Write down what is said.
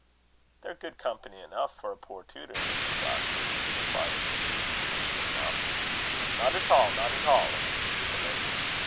"They're good enough company for a poor tutor, Mrs. Glasford," replied Hugh, foolishly enough. "Not at all, not at all," insisted the lady.